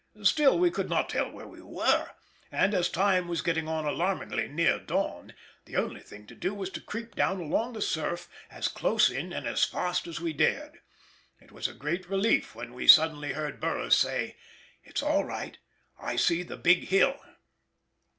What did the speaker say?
Still we could not tell where we were, and, as time was getting on alarmingly near dawn, the only thing to do was to creep down along the surf as close in and as fast as we dared. It was a great relief when we suddenly heard Burroughs say, "It's all right, I see the 'Big Hill'!"